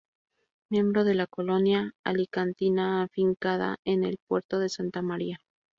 Miembro de la colonia alicantina afincada en el Puerto de Santa María.